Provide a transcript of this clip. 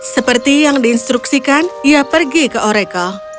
seperti yang diinstruksikan ia pergi ke oracle